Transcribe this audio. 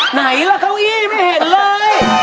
ไหนล่ะเก้าอี้ไม่เห็นเลย